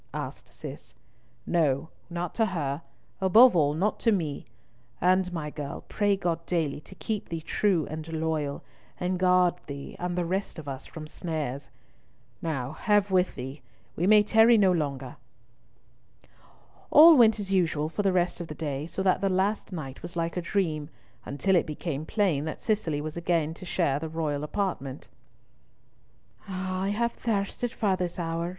asked Cis. "No, not to her, above all not to me, and, my girl, pray God daily to keep thee true and loyal, and guard thee and the rest of us from snares. Now have with thee. We may tarry no longer!" All went as usual for the rest of the day, so that the last night was like a dream, until it became plain that Cicely was again to share the royal apartment. "Ah, I have thirsted for this hour!"